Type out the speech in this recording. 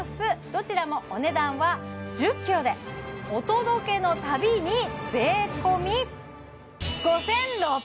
どちらもお値段は１０ｋｇでお届けのたびに税込え！？